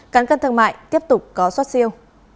căn cân thương mại tiếp tục có xuất siêu